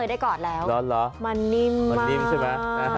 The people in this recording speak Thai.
เคยได้กอดแล้วมันนิ่มมากนะฮะ